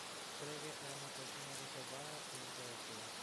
Frege era una persona reservada e introvertida.